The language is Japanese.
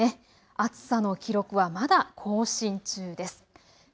暑さの記録はまだ更新中です。